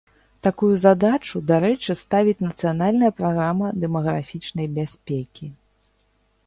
Такую задачу, дарэчы, ставіць нацыянальная праграма дэмаграфічнай бяспекі.